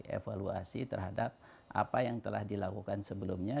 evaluasi terhadap apa yang telah dilakukan sebelumnya